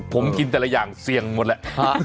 ผมกินแต่ละอย่างเสี่ยงหมดแล้ว